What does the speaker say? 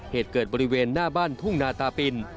เหตุเกิดบริเวณหน้าบ้านทุ่งนาตาปิน